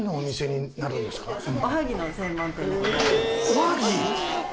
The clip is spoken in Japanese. おはぎ